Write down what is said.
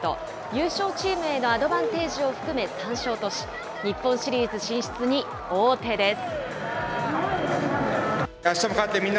優勝チームへのアドバンテージを含め３勝とし、日本シリーズ進出に王手です。